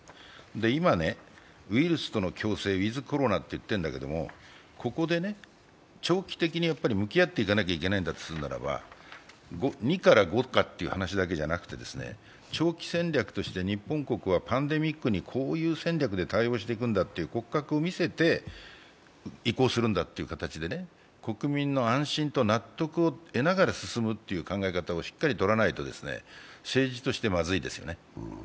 今ウイルスとの共生、ウィズ・コロナといっているわけだけれどもここで長期的に向き合っていかなければいけないんだとするならば２から５かという話だけではなくて、長期戦略として日本国はパンデミックにこういう戦略で対応していくんだという骨格を見せて移行するんだという形で国民の安心と納得を得ながら進むという考え方をしっかりとらないと政治としてまずいですよね。